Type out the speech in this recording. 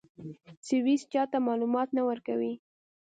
سویس چا ته معلومات نه ورکوي.